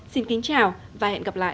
xin kính chào và hẹn gặp lại